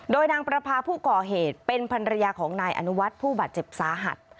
โดยนางประพาผู้ก่อเหตุเป็นภรรยาของนายอนุวัฒน์ผู้บาดเจ็บสาหัส